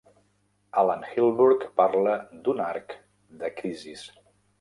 Alan Hilburg parla d'un arc de crisis.